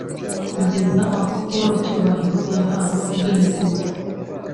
kugeza aho Paul Cyubahiro yahawe ubwenegegihugu